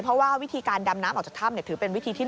เพราะว่าวิธีการดำน้ำออกจากถ้ำถือเป็นวิธีที่๑